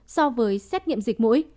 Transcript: so với xét nghiệm dịch mũi